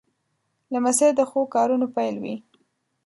لمسی د ښو کارونو پیل وي.